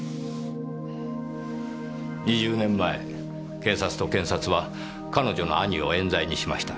２０年前警察と検察は彼女の兄を冤罪にしました。